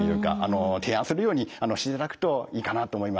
提案するようにしていただくといいかなと思いますね。